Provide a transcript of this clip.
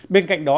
bên cạnh đó